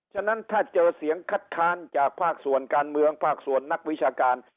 ฉะนั้นถ้าเจอเสียงคัดค้านจากภาคส่วนการเมืองภาคส่วนนักวิชาการ